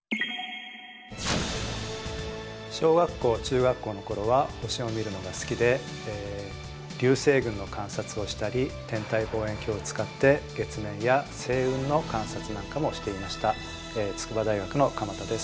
小学校中学校の頃は星を見るのが好きで流星群の観察をしたり天体望遠鏡を使って月面や星雲の観察なんかもしていました筑波大学の鎌田です。